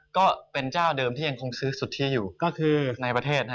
ก็เป็นเจ้าเดิมที่ยังคงซื้อสุดที่อยู่ในประเทศนะฮะ